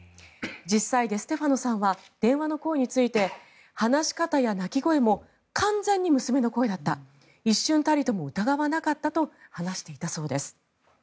実際、デステファノさんは電話の声について話し方や泣き声も完全に娘の声だった一瞬たりとも疑わなかったと話していたそうです。